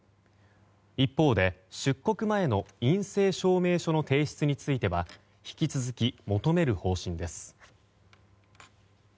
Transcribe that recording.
一方で出国前の陰性証明書の提出については引き続き求める方針です。